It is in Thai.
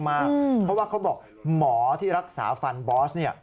เพราะว่าเขาบอกหมอที่รักษาฟันบอส